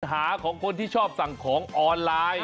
หาของคนที่ชอบสั่งของออนไลน์